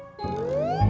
tidak ada apa apa